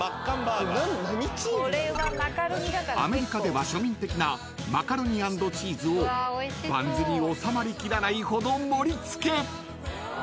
［アメリカでは庶民的なマカロニアンドチーズをバンズに収まりきらないほど盛り付け］